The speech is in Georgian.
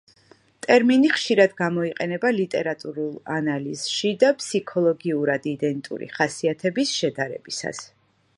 ტერმინი ხშირად გამოიყენება ლიტერატურულ ანალიზში და ფსიქოლოგიურად იდენტური ხასიათების შედარებისას.